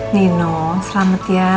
nino selamat ya